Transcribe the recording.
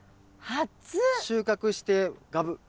収穫してガブッ。